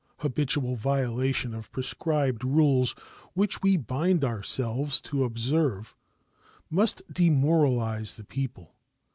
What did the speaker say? Habitual violation of prescribed rules, which we bind ourselves to observe, must demoralize the people.